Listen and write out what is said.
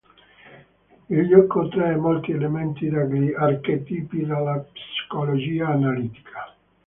Il gioco trae molti elementi dagli archetipi della psicologia analitica.